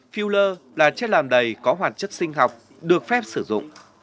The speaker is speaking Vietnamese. filler là chất làm đầy có hoạt chất sinh học được phép sử dụng